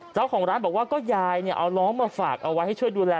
เจ้าของร้านบอกว่าก็ยายเอาน้องมาฝากเอาไว้ให้ช่วยดูแล